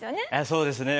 そうですね。